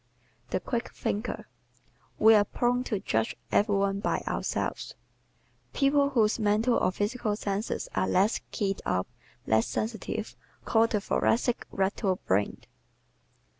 The Quick Thinker ¶ We are prone to judge every one by ourselves. People whose mental or physical senses are less "keyed up," less sensitive, call the Thoracic "rattle brained."